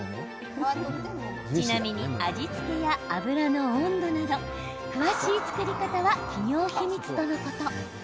ちなみに、味付けや油の温度など詳しい作り方は企業秘密とのこと。